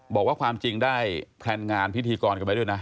บอกว่าความจริงได้แพลนงานพิธีกรกันไปด้วยนะ